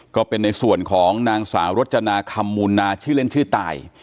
ก็เป็นในส่วนของนางสาวรจนาคำมูลนาชื่อเล่นชื่อตาย